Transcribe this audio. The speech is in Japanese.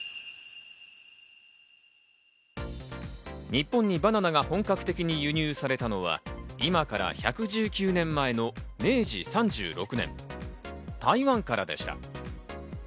日本にバナナが本格的に輸入されたのは、今から１１９年前の明治３６年、台湾からでした。